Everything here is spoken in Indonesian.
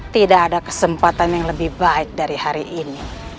tidak ada kesempatan yang lebih baik dari hari ini